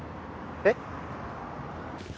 えっ？